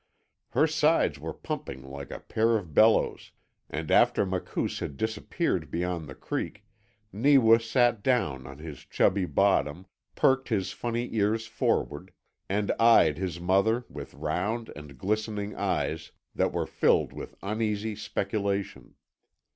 Her sides were pumping like a pair of bellows, and after Makoos had disappeared beyond the creek Neewa sat down on his chubby bottom, perked his funny ears forward, and eyed his mother with round and glistening eyes that were filled with uneasy speculation.